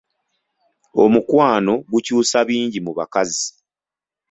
Omukwano gukyusa bingi mu bakazi.